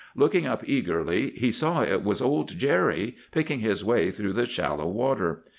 Looking up eagerly, he saw it was old Jerry, picking his way through the shallow water.